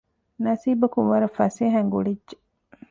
ނަސީބަކުން ވަރަށް ފަސޭހައިން ގުޅިއްޖެ